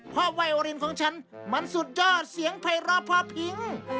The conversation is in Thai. เพราะไว้โอลี่นของฉันมันสุดยอดเสียงไพร่อพอร์ฟพิง